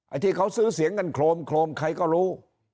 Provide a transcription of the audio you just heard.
ไอ้ที่เขาซื้อเสียงกันโครมใครก็รู้